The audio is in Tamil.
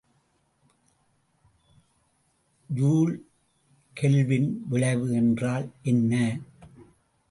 ஜூல் கெல்வின் விளைவு என்றால் என்ன?